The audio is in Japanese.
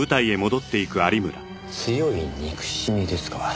強い憎しみですか。